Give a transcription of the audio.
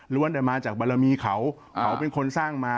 แต่มาจากบารมีเขาเขาเป็นคนสร้างมา